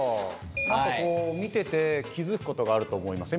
何かこう見てて気付くことがあると思いません？